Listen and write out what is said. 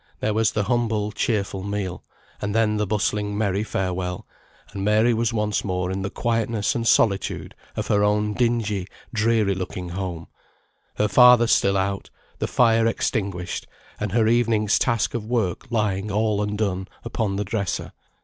There was the humble cheerful meal, and then the bustling merry farewell, and Mary was once more in the quietness and solitude of her own dingy, dreary looking home; her father still out, the fire extinguished, and her evening's task of work lying all undone upon the dresser.